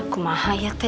kumaha ya teh